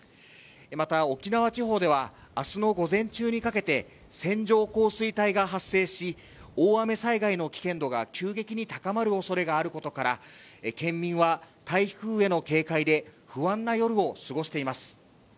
また沖縄地方では明日の午前中にかけて線状降水帯が発生し大雨災害の危険度が急激に高まるおそれがあることから県民は台風への警戒で不安な夜を過ごしています。